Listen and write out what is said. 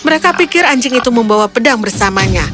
mereka pikir anjing itu membawa pedang bersamanya